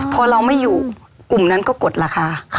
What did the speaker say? พอเราไม่อยู่กลุ่มนั้นก็กดราคา